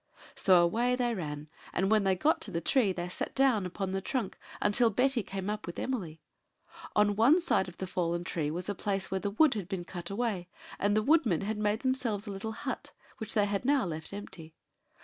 So away they ran; and when they got to the tree they sat down upon the trunk until Betty came up with Emily. On one side of the fallen tree was a place where the wood had been cut away, and the woodmen had made themselves a little hut, which they had now left empty.